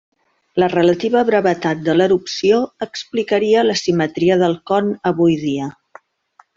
La relativa brevetat de l'erupció explicaria la simetria del con avui dia.